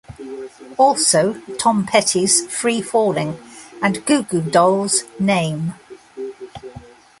Also, Tom Petty's "Free Falling" and Goo Goo Dolls' "Name".